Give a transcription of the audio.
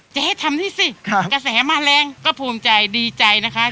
ให้ทำนี่สิกระแสมาแรงก็ภูมิใจดีใจนะคะ